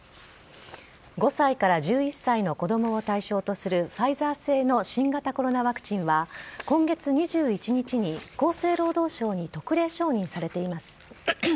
５歳から１１歳の子どもを対象とするファイザー製の新型コロナウイルスワクチンは、今月２１日に厚生労働省に特例承認されています。